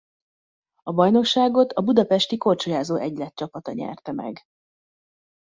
A bajnokságot a Budapesti Korcsolyázó Egylet csapata nyerte meg.